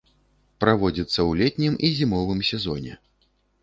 Праводзіцца ў летнім і зімовым сезоне.